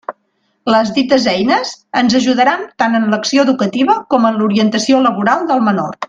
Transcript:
Les dites eines ens ajudaran tant en l'acció educativa com en l'orientació laboral del menor.